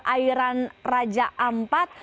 airan raja ampat